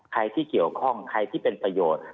ใครที่เกี่ยวข้องใครที่เป็นประโยชน์